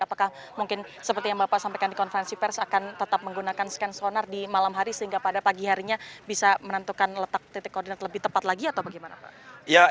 apakah mungkin seperti yang bapak sampaikan di konferensi pers akan tetap menggunakan scan sonar di malam hari sehingga pada pagi harinya bisa menentukan letak titik koordinat lebih tepat lagi atau bagaimana pak